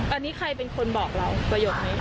อันนี้ใครเป็นคนบอกเราประโยคนี้